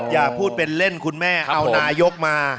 อย่าพูดเป็นเล่นคุณแม่เอานายกมา